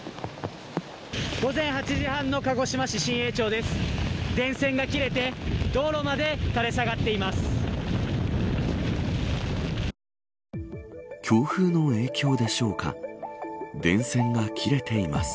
午前８時半の鹿児島市しんえい町です。